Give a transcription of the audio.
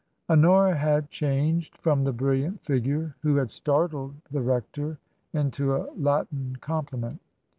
Honora had changed from the brilliant figure who had startled the rector into a Latin compliment.